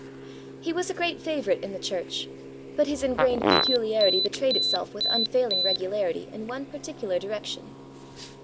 He was a great favourite in the church, but his ingrained peculiarity betrayed itself with unfailing regularity in one particular direction.